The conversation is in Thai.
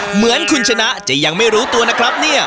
เหมือนคุณชนะจะยังไม่รู้ตัวนะครับเนี่ย